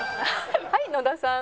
はい野田さん。